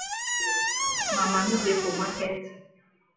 Ma mami dey for maket.